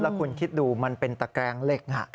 แล้วคุณคิดดูมันเป็นตะแกรงเหล็ก